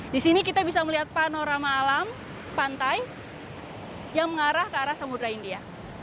di sini kita bisa melihat panorama alam pantai yang mengarah ke arah samudera india